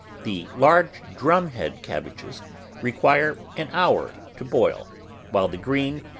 The large Drumhead cabbages require an hour to boil, while the green.